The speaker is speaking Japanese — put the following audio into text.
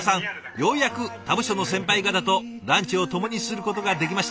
ようやく他部署の先輩方とランチをともにすることができました。